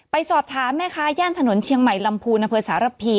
ไปสอบถามแม่ค้าย่านถนนเชียงใหม่ลำพูนอำเภอสารพี